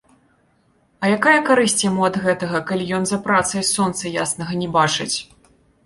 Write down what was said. А якая карысць яму ад гэтага, калі ён за працай сонца яснага не бачыць?